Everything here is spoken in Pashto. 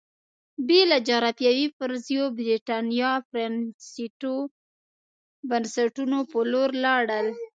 بې له جغرافیوي فرضیو برېټانیا پرانېستو بنسټونو په لور لاړل